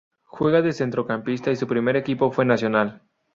Juega de centrocampista y su primer equipo fue Nacional.